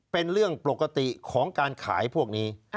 เป็นเรื่องปกติของการขายพวกนี้